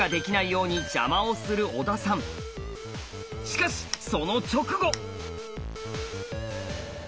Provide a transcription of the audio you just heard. しかしその直後！